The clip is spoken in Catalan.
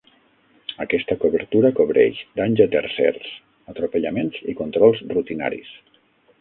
Aquesta cobertura cobreix danys a tercers, atropellaments i controls rutinaris.